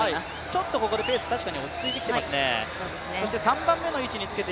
ちょっとここでペース、確かに落ち着いてきていますね。